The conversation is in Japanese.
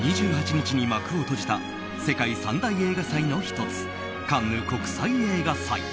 ２８日に幕を閉じた世界三大映画祭の１つカンヌ国際映画祭。